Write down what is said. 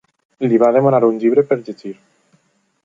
Li va demanar un llibre per llegir.